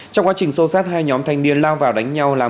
trong quá trình sâu sát hai nhóm thanh niên lao vào đánh giá